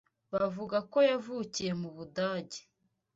Bavuga ko yavukiye mu Budage.